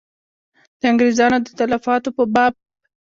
د انګرېزیانو د تلفاتو په باب.